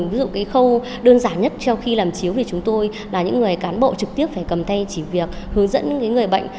ví dụ cái khâu đơn giản nhất trong khi làm chiếu thì chúng tôi là những người cán bộ trực tiếp phải cầm tay chỉ việc hướng dẫn người bệnh